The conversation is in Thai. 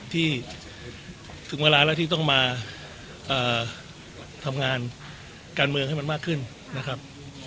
ถึงเวลาแล้วที่ต้องมาทำงานการเมืองให้มันมากขึ้นนะครับ